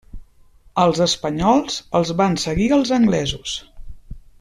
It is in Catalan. Als espanyols els van seguir els anglesos.